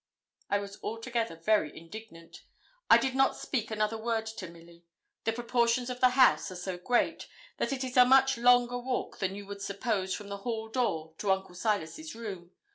I was altogether very indignant. I did not speak another word to Milly. The proportions of the house are so great, that it is a much longer walk than you would suppose from the hall door to Uncle Silas's room.